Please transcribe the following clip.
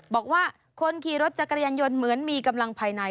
บอกว่าคนขี่รถจักรยานยนต์เหมือนมีกำลังภายใน